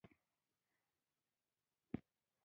یونیسف د خطرناکو ناروغیو په وړاندې مرسته کوي.